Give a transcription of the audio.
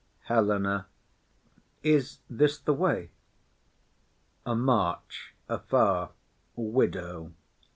HELENA. Is this the way? [A march afar.] WIDOW.